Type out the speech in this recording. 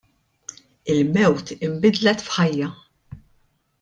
Il-mewt inbidlet f'ħajja.